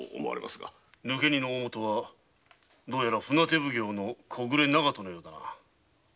抜け荷の大本はどうやら船手奉行・木暮長門のようだな。